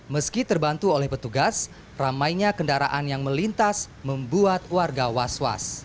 meski terbantu oleh petugas ramainya kendaraan yang melintas membuat warga was was